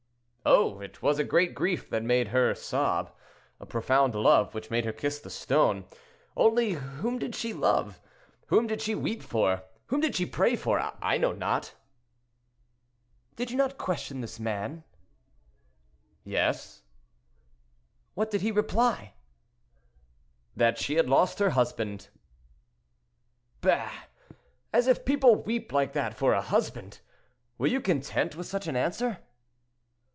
"Oh! it was a great grief that made her sob, a profound love which made her kiss the stone. Only whom did she love? whom did she weep for? whom did she pray for? I know not." "Did you not question this man?" "Yes." "What did he reply? "That she had lost her husband." "Bah! as if people weep like that for a husband. Were you content with such an answer?"